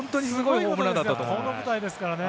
この舞台ですからね。